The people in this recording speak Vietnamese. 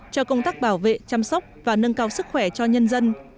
cho công tác bảo vệ chăm sóc và nâng cao sức khỏe cho nhân dân